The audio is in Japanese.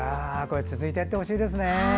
続いていってほしいですね。